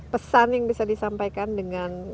pesan yang bisa disampaikan dengan